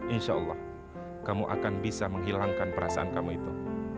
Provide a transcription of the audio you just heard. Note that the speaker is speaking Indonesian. insya allah kamu akan bisa menghilangkan perasaan kamu itu